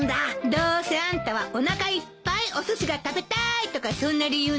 どうせあんたはおなかいっぱいおすしが食べたーいとかそんな理由なんでしょ。